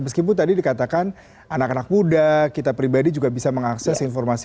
meskipun tadi dikatakan anak anak muda kita pribadi juga bisa mengakses informasi